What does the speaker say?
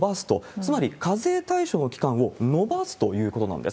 つまり、課税対象の期間を延ばすということなんです。